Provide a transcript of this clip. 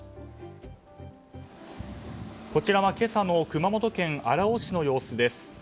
こちらは今朝の熊本県荒尾市の様子です。